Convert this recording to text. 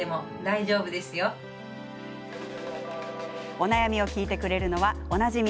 お悩みを聞いてくれるのはおなじみ